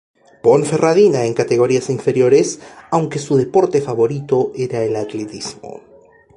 Ponferradina en categorías inferiores, aunque su deporte favorito era el atletismo.